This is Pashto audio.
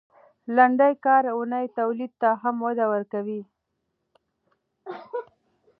لنډه کاري اونۍ تولید ته هم وده ورکوي.